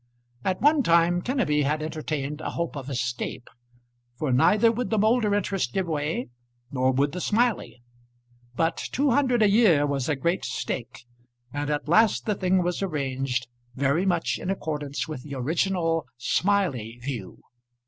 At one time Kenneby had entertained a hope of escape; for neither would the Moulder interest give way, nor would the Smiley. But two hundred a year was a great stake, and at last the thing was arranged, very much in accordance with the original Smiley view.